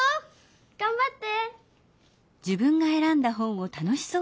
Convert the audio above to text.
がんばって！